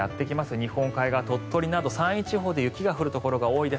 日本海側、鳥取など山陰地方で雪が降るところが多いです。